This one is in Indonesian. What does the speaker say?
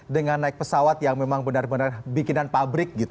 dengan naik pesawat yang memang benar benar bikinan pabrik gitu